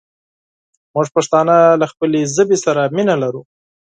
مونږ پښتانه له خپلې ژبې سره مينه لرو